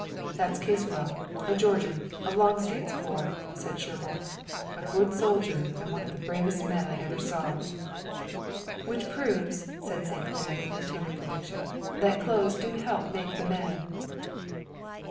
"That's Caswell, a Georgian, of Longstreet's corps," said Sherburne; "a good soldier and one of the bravest men I ever saw." "Which proves," said St. Clair, in a tone of conviction, "that clothes do help make the man."